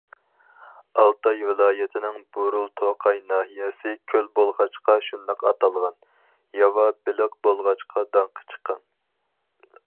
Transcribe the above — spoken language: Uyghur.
ئالتاي ۋىلايىتىنىڭ بۇرۇلتوقاي ناھىيەسى كۆل بولغاچقا شۇنداق ئاتالغان، ياۋا بېلىق بولغاچقا داڭقى چىققان.